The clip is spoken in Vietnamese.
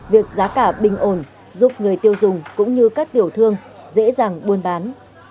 việc giá cả bình ổn giúp người tiêu dùng cũng như các tiểu thương dễ dàng buôn bán